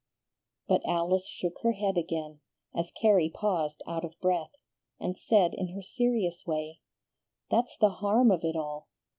But Alice shook her head again, as Carrie paused out of breath, and said in her serious way: "That's the harm of it all.